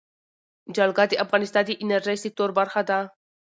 جلګه د افغانستان د انرژۍ سکتور برخه ده.